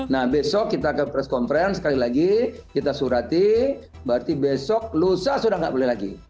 nah besok kita ke press conference sekali lagi kita surati berarti besok lusa sudah nggak boleh lagi